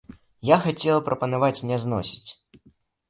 Я хацела прапанаваць не зносіць!